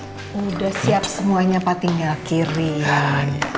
sudah siap semuanya pak tinggal kirim